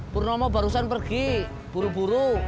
purnomo barusan pergi buru buru